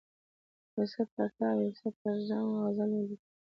یو څه پر تا او یو څه پر ځان غزل ولیکم.